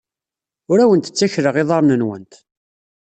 Ur awent-ttakleɣ iḍarren-nwent.